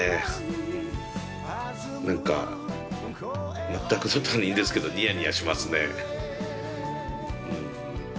何か全くの他人ですけどニヤニヤしますね。